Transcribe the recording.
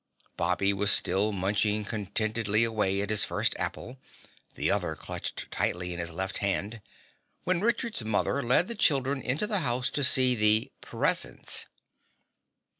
Bobby was still munching contentedly away at his first apple, the other clutched tightly in his left hand, when Richard's mothers led the children into the house to see the "presents."